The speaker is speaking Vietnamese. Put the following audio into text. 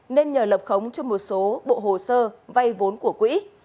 nên nhờ lập khống cho một số bộ hồ sơ vay vốn của quỹ